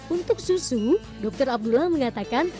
untuk susu dr abdullah mengatakan